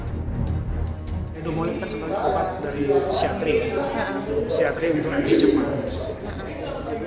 dumolit tersebut obat dari siatri siatri yang diperanjakan di jepang